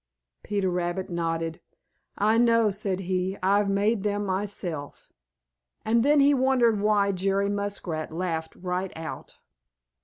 Peter Rabbit nodded, "I know," said he. "I've made them myself." And then he wondered why Jerry Muskrat laughed right out.